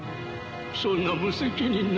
そんな無責任な。